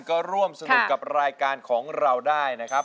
ก็ร่วมสนุกกับรายการของเราได้นะครับ